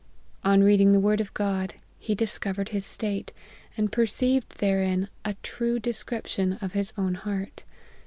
On read ing the word of God, he discovered his state, and perceived therein a true description of his own heart.